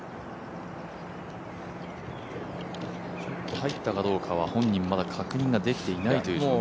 入ったかどうかは本人まだ確認できていないという状態。